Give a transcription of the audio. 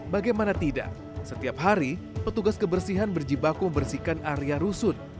bagaimana tidak setiap hari petugas kebersihan berjibaku membersihkan area rusun